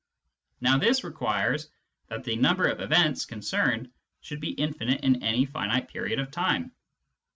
Now this requires that the number of events concerned should be infinite in any finite period of time.